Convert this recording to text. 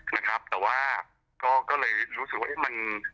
นะครับแต่ว่าก็เลยรู้สึกว่าเอ๊ะมัน